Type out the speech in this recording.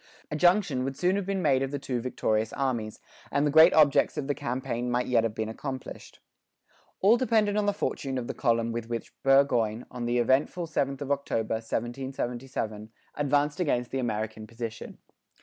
A junction would soon have been made of the two victorious armies, and the great objects of the campaign might yet have been accomplished. All depended on the fortune of the column with which Burgoyne, on the eventful 7th of October, 1777, advanced against the American position.